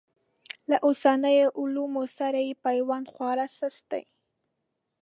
له اوسنیو علومو سره یې پیوند خورا سست دی.